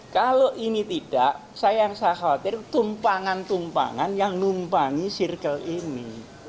kalau ini tidak saya yang sakhawatir tumpangan tumpangan yang numpangi sirkel ini